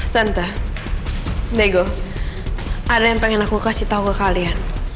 tante diego ada yang pengen aku kasih tau ke kalian